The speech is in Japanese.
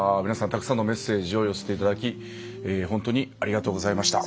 たくさんのメッセージを寄せていただき本当にありがとうございました。